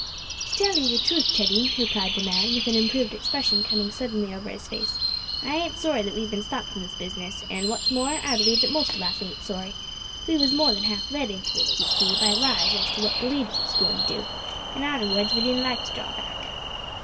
"To tell 'ee the truth, Teddy," replied the man, an improved expression coming suddenly over his face, "I ain't sorry that we've bin stopped in this business, and, wot's more, I believe that most of us ain't sorry. We was more than half led into it, d'ee see, by lies as to what the leaders was goin' to do, an' arterwards we didn't like to draw back."